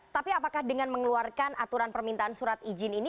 tapi apakah dengan mengeluarkan aturan permintaan surat izin ini